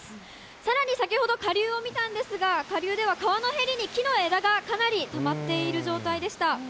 さらに先ほど、下流を見たんですが、下流では川のへりに木の枝がかなりたまっている状態でした。